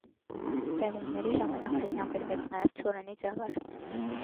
Պեղումների ժամանակ հայտնաբերվեց նաև ցորենի ձավար։